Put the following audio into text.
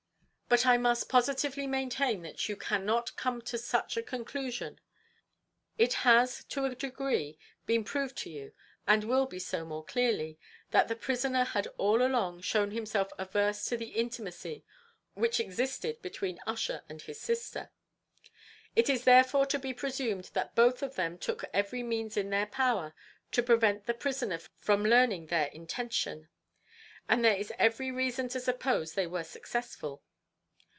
But I must positively maintain that you cannot come to such a conclusion. It has, to a degree, been proved to you, and will be so more clearly, that the prisoner had all along shown himself averse to the intimacy which existed between Ussher and his sister; it is therefore to be presumed that both of them took every means in their power to prevent the prisoner from learning their intention; and there is every reason to suppose they were successful.